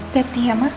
peti ya mah